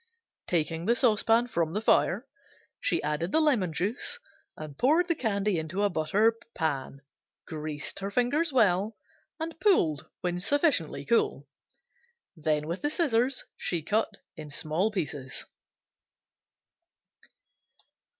Taking the saucepan from the fire, she added the lemon juice and poured the candy into a buttered pan, greased her fingers well, and pulled when sufficiently cool. Then with the scissors she cut in small pieces.